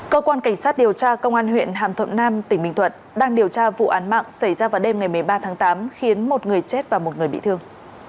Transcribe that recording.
cơ quan cảnh sát điều tra công an huyện hàm thuận nam tỉnh bình thuận đang điều tra vụ án mạng xảy ra vào đêm ngày một mươi ba tháng tám khiến một người chết và một người bị thương